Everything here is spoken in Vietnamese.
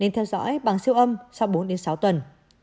nên theo dõi bằng siêu âm sau bốn sáu tuần